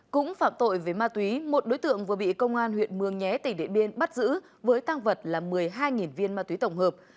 cũng phạm tội về ma túy một đối tượng vừa bị công an huyện mường nhé tỉnh điện biên bắt giữ với tăng vật là một mươi hai viên ma túy tổng hợp